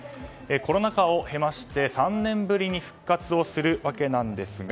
コロナ禍を経まして３年ぶりに復活するわけですが